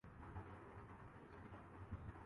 تیری چشم الم نواز کی خیر